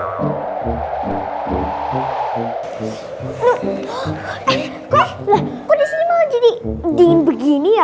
eh kok kok disini malah jadi dingin begini ya